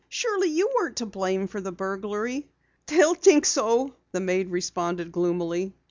"Surely you weren't to blame for the burglary." "They'll think so," the maid responded gloomily.